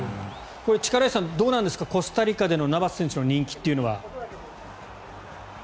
力石さんどうなんでしょうかコスタリカでのナバス選手の人気というのは。